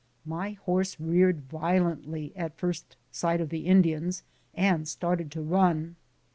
My horse reared violently at first sight of the Indians, and started to run.